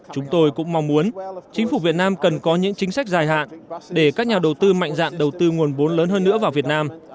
chúng tôi cũng mong muốn chính phủ việt nam cần có những chính sách dài hạn để các nhà đầu tư mạnh dạn đầu tư nguồn vốn lớn hơn nữa vào việt nam